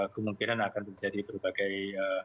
kemungkinan akan terjadi berbagai